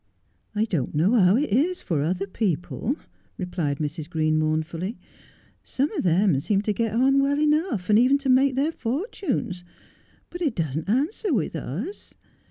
' I don't know how it is for other people,' replied Mrs. Green mournfully ;' some of them seem to get on well enough, and even to make their fortunes, but it doesn't answer with us.